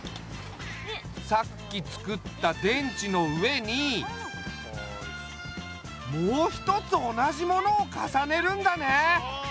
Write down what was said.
さっきつくった電池の上にもう一つ同じものを重ねるんだね。